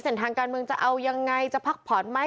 ทางการเมืองจะเอายังไงจะพักผ่อนไหม